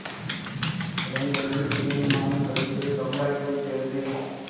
அதன்படி இரண்டு மாதம் கழித்து பம்பாய் போய்ச் சேர்ந்தேன்.